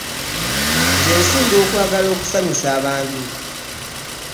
Nze nsinga okwagala okusanyusa abantu.